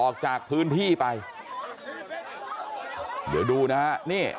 กลับไปลองกลับ